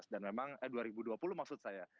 dan memang eh dua ribu dua puluh maksud saya